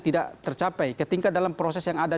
tidak tercapai ketika dalam proses yang ada